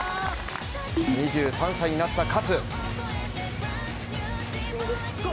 ２３歳になった勝。